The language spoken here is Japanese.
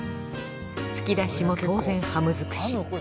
突き出しも当然ハムづくし。